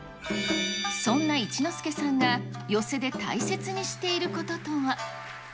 そんな一之輔さんが、寄席で大切にしていることとは？